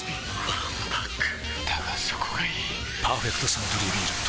わんぱくだがそこがいい「パーフェクトサントリービール糖質ゼロ」